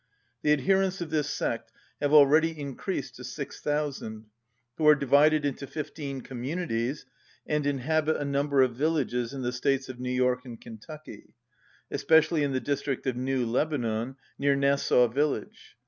The adherents of this sect have already increased to 6000, who are divided into fifteen communities, and inhabit a number of villages in the states of New York and Kentucky, especially in the district of New Lebanon, near Nassau village.